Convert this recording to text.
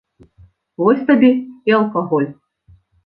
Вось табе і алкаголь.